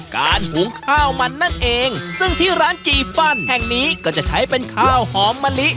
หุงข้าวมันนั่นเองซึ่งที่ร้านจีฟันแห่งนี้ก็จะใช้เป็นข้าวหอมมะลิ